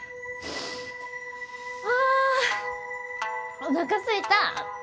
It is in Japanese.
あおなかすいた！